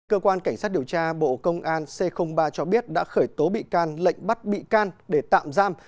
cơ quan cảnh sát điều tra bộ công an c ba cho biết đã khởi tố bị can lệnh bắt bị can để tạm giam